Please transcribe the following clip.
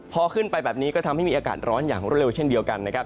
พอขึ้นไปแบบนี้ก็ทำให้มีอากาศร้อนอย่างรวดเร็วเช่นเดียวกันนะครับ